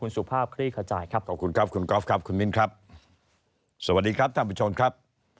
สวัสดีครับท่านผู้ชมครับ